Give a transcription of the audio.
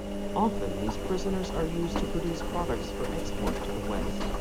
Often these prisoners are used to produce products for export to the West.